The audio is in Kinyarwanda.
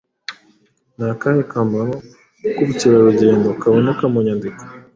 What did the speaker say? Ni akahe kamaro k’ubukerarugendo kaboneka mu mwandiko?